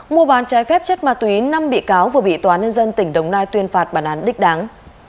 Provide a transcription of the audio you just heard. mùa bàn trái phép chất ma túy năm bị cáo vừa bị tnd tỉnh đồng nai tuyên phạt bản án đích đáng